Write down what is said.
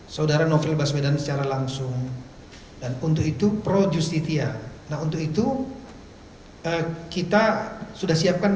saudara novel baswedan secara langsung dan untuk itu pro justitia nah untuk itu kita sudah siapkan